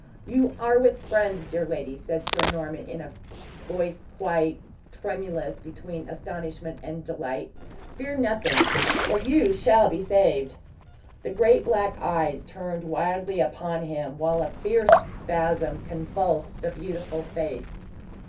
"You are with friends, dear lady!" said Sir Norman, in a voice quite tremulous between astonishment and delight. "Fear nothing, for you shall be saved." The great black eyes turned wildly upon him, while a fierce spasm convulsed the beautiful face.